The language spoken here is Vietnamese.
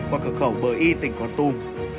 qua cửa khẩu bờ y tỉnh quán tùm